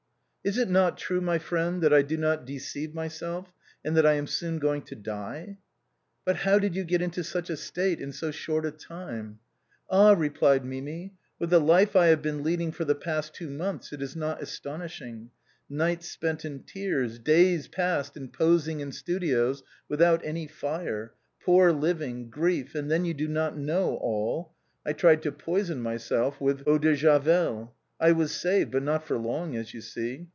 " Is it not true, my friend, that I do not deceive myself and that I am soon going to die ?"" But how did you get into such a state in so short a time?" "Àh !" replied Mimi, " with the life I have been lead ing for the past two months it is not astonishing; nights spent in tears, days passed in posing in studios without any fire, poor living, grief, and then you do not know all, I tried to poison myself with Eau de Javelle. I was saved, but not for long, as you see.